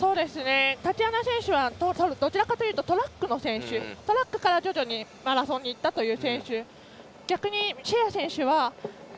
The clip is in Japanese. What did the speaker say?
タチアナ選手はどちらかというとトラックの選手でトラックから徐々にマラソンにいったという選手。